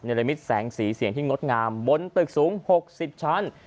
ละมิตแสงสีเสียงที่งดงามบนตึกสูง๖๐ชั้น